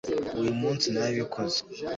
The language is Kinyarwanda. uyu munsi narabikoze